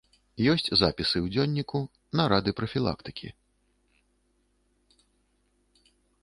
Ёсць запісы ў дзённіку, нарады прафілактыкі.